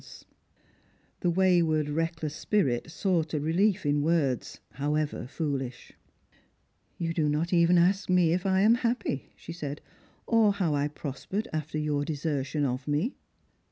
316 Strangers and PilgHms, The wayward reckless spirit eought a relief in words, howevej foolish. " You do not even ask me if I am happy," she said, " or how I prospered after your desertion of me."